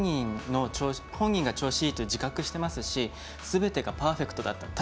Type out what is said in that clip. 本人が調子いいと自覚していますしすべてがパーフェクトだった。